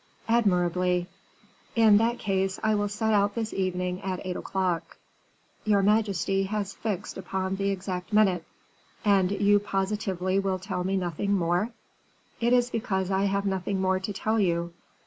"Admirably." "In that case I will set out this evening at eight o'clock." "Your majesty has fixed upon the exact minute." "And you positively will tell me nothing more?" "It is because I have nothing more to tell you.